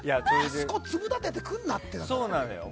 そこ、粒立ててくるなって。